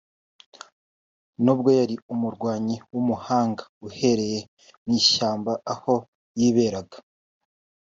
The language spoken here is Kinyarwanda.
nubwo yari umurwanyi w’umuhanga uhereye mu ishyamba aho yiberaga